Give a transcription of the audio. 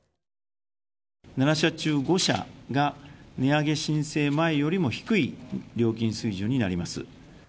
７社中５社が値上げ申請前よりも低い料金水準になります。